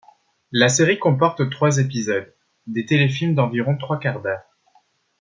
La série comporte trois épisodes, des téléfilms d'environ trois quarts d'heure.